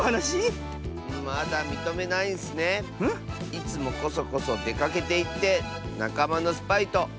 いつもこそこそでかけていってなかまのスパイとあってるんでしょ